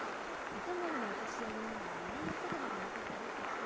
糸守のお年寄りには万葉言葉が残ってるって聞くし。